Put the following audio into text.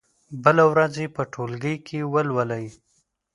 بله ورځ يې په ټولګي کې ولولئ.